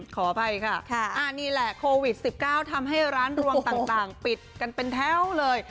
ขออภัยค่ะนี่แหละโควิด๑๙ทำให้ร้านรวงต่างปิดกันเป็นแถวเลย